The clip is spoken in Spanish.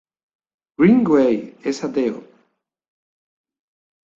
Greenway es ateo.